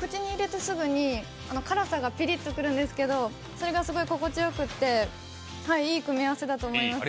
口に入れてすぐに辛さがピリッとくるんですけどそれがすごい心地よくていい組み合わせだと思います。